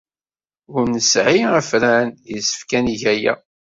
Ur nesɛi afran. Yessefk ad neg aya.